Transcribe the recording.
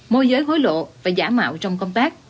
môi giới hối lộ và giả mạo trong công tác